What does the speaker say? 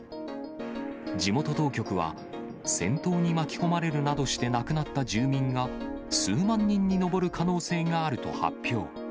地元当局は、戦闘に巻き込まれるなどして亡くなった住民が、数万人に上る可能性があると発表。